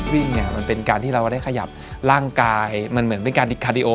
เนี่ยมันเป็นการที่เราได้ขยับร่างกายมันเหมือนเป็นการคาดิโอ